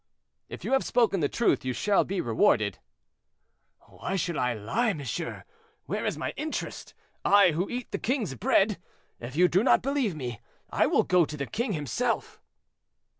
"If you have spoken the truth you shall be rewarded." "Why should I lie, monsieur; where is my interest—I, who eat the king's bread? If you do not believe me, I will go to the king himself."